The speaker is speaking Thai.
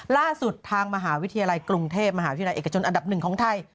ล่าสุดทางมหาวิทยาลัยกรุงเทพมหาวิทยาลัยเอกชนอันดับหนึ่งของไทย